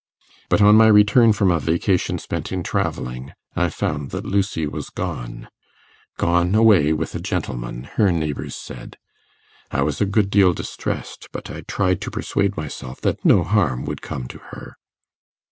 But on my return from a vacation spent in travelling, I found that Lucy was gone gone away with a gentleman, her neighbours said. I was a good deal distressed, but I tried to persuade myself that no harm would come to her.